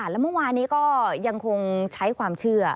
แล้วเมื่อวานนี้ก็ยังคงใช้ความเชื่อ